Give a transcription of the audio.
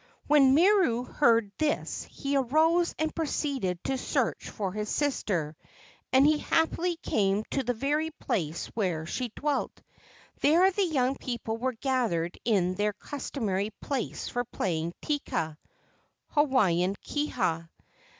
When Miru heard this he arose and proceeded to search for his sister, and he happily came to the very place where she dwelt. There the young people were gathered in their customary place for playing teka (Hawaiian keha).